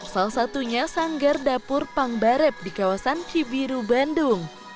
salah satunya sanggar dapur pangbarep di kawasan cibiru bandung